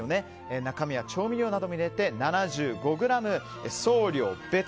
中身は調味料なども入れて７５ｇ、送料別。